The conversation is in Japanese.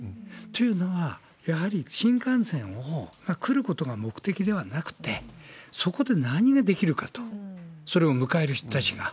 というのは、やはり新幹線が来ることが目的ではなくて、そこで何ができるかと、それを迎える人たちが。